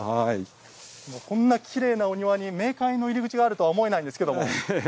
こんなきれいなお庭に冥界の入り口があるとは思えないんですけども。